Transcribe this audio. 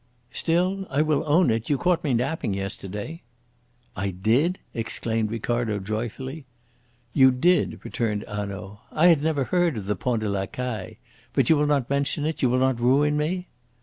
"Still, I will own it, you caught me napping yesterday. "I did?" exclaimed Ricardo joyfully. "You did," returned Hanaud. "I had never heard of the Pont de La Caille. But you will not mention it? You will not ruin me?"